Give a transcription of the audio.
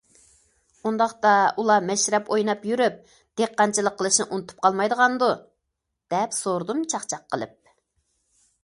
ئۇنداقتا ئۇلار مەشرەپ ئويناپ يۈرۈپ، دېھقانچىلىق قىلىشنى ئۇنتۇپ قالمايدىغاندۇ، دەپ سورىدىم چاقچاق قىلىپ.